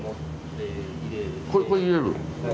これ入れる。